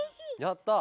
やった！